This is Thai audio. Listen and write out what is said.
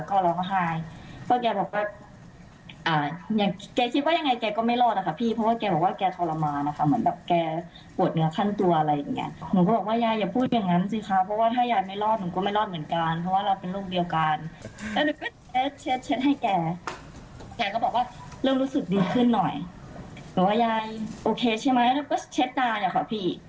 โอเคใช่ไหมแล้วก็เช็ดตาอย่างนี้ครับพี่